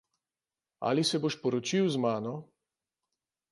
Ali se boš poročil z mano?